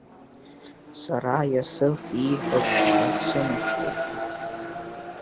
Сара Иасыф ииҳәаз аасцәымыӷхеит.